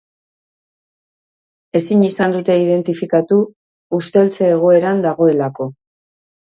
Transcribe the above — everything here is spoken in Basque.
Ezin izan dute identifikatu, usteltze egoeran dagoelako.